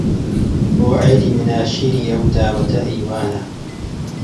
بۆ عێلی مناشیری ئەو داوەتە ئی وانە